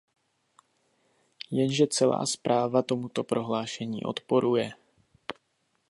Jenže celá zpráva tomuto prohlášení odporuje.